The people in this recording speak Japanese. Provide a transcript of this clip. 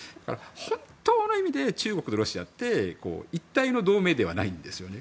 本当の意味で中国とロシアって一体の同盟ではないんですね。